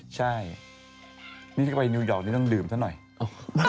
ใช่นี่ถ้าไปนิวยอลต้องดื่มเท่านั้นหน่อย